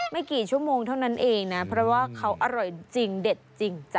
ไม่กี่ชั่วโมงเท่านั้นเองนะเพราะว่าเขาอร่อยจริงเด็ดจริงจ้ะ